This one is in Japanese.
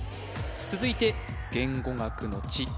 続いて言語学の知